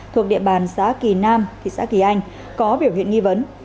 thuộc địa bàn xã kỳ nam thị xã kỳ anh có biểu hiện nghi vấn